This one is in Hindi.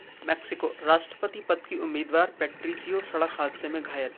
मैक्सिको: राष्ट्रपति पद की उम्मीदवार पेट्रिसिओ सड़क हादसे में घायल